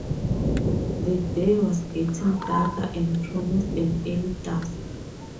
The day was getting darker, and promised an early dusk.